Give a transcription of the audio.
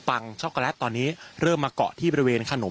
และก็คือว่าถึงแม้วันนี้จะพบรอยเท้าเสียแป้งจริงไหม